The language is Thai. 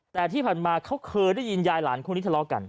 แต่ที่ผ่านมาเขาเคยได้ยินยายหลานคู่นี้ทะเลาะกัน